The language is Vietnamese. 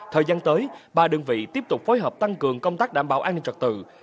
thời gian tới ba đơn vị tiếp tục phối hợp tăng cường công tác đảm bảo an ninh trật tự